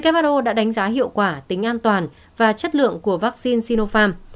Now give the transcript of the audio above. who đã đánh giá hiệu quả tính an toàn và chất lượng của vaccine sinopharm